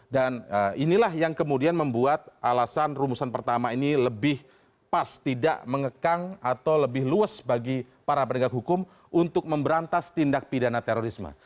dan inilah yang kemudian membuat alasan rumusan pertama ini lebih pas tidak mengekang atau lebih luas bagi para penegak hukum untuk memberantas tindak pidana terorisme